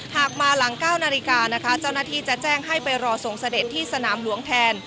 หากมาหลัง๙นาฬิกานะคะเจ้าหน้าที่จะแจ้งให้ไปรอส่งเสด็จที่สนามหลวงแทน